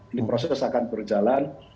ini proses akan berjalan